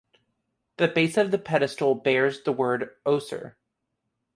The base of the pedestal bears the word Oser!